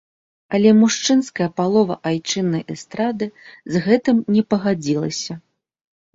Але мужчынская палова айчыннай эстрады з гэтым не пагадзілася.